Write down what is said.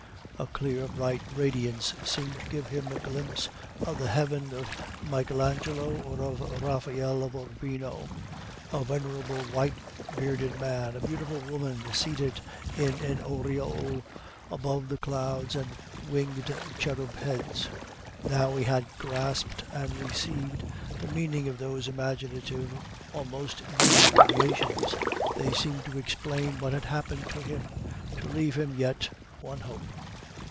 A clear, bright radiance seemed to give him a glimpse of the heaven of Michael Angelo or of Raphael of Urbino: a venerable white bearded man, a beautiful woman seated in an aureole above the clouds and winged cherub heads. Now he had grasped and received the meaning of those imaginative, almost human creations; they seemed to explain what had happened to him, to leave him yet one hope.